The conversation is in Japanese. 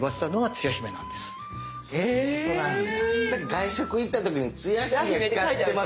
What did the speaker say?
外食行った時につや姫使ってます。